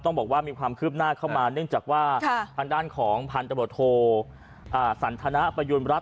บอกว่ามีความคืบหน้าเข้ามาเนื่องจากว่าทางด้านของพันธบทโทสันทนประยุณรัฐ